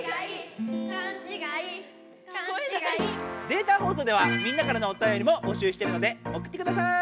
データ放送ではみんなからのおたよりも募集しているのでおくってください。